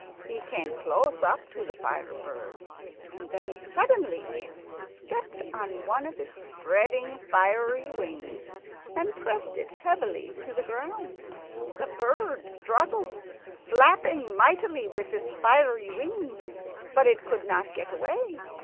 He came close up to the fire bird, and then suddenly stepped on one of its spreading fiery wings and pressed it heavily to the ground. The bird struggled, flapping mightily with its fiery wings, but it could not get away.